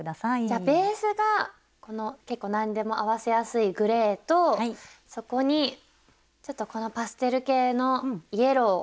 じゃあベースがこの結構何でも合わせやすいグレーとそこにちょっとこのパステル系のイエロー。